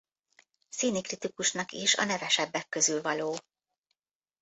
Színi kritikusnak is a nevesebbek közül való.